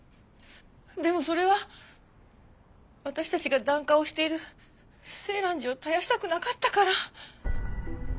でもそれは私たちが檀家をしている静嵐寺を絶やしたくなかったから。